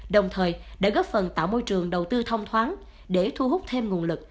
đồng thời đã góp phần tạo môi trường đầu tư thông thoáng để thu hút thêm nguồn lực